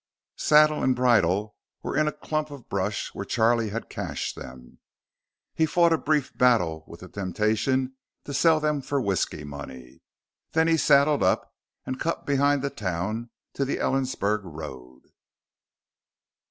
Saddle and bridle were in a clump of brush where Charlie had cached them. He fought a brief battle with the temptation to sell these for whisky money; then he saddled up and cut behind the town to the Ellensburg road.